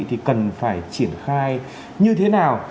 thì cần phải triển khai như thế nào